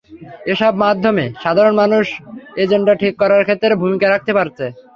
এসব মাধ্যমে সাধারণ মানুষও এজেন্ডা ঠিক করার ক্ষেত্রে ভূমিকা রাখতে পারছে।